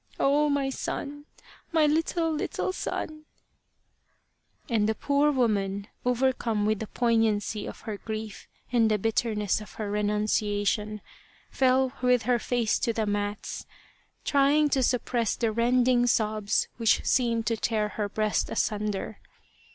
Oh, my son, my little, little son !" And the poor woman, overcome with the poignancy of her grief and the bitterness of her renunciation, fell with her face to the mats, trying to suppress the rending sobs which seemed to tear her breast asunder.